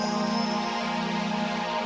mereka masih berpindah ke rumah